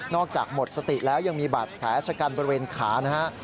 จากหมดสติแล้วยังมีบาดแผลชะกันบริเวณขานะฮะ